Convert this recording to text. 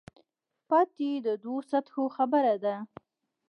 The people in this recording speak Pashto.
پاتې دوو سطحو خبره ده.